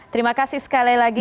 terima kasih sekali lagi